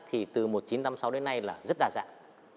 thì từ một nghìn chín trăm tám mươi sáu đến nay là rất đa dạng